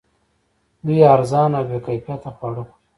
دوی ارزان او بې کیفیته خواړه خوري